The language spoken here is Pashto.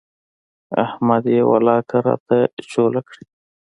احمد يې ولاکه راته چوله کړي.